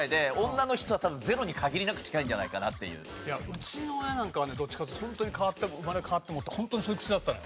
うちの親なんかはねどっちかっていうと生まれ変わってもってホントにそういう口だったの。